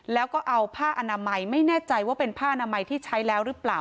แล้วก็เอาผ้าอนามัยไม่แน่ใจว่าเป็นผ้านามัยที่ใช้แล้วหรือเปล่า